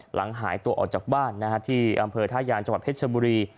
หายตัวออกจากบ้านที่อำเภอท่ายางจังหวัดเพชรชบุรี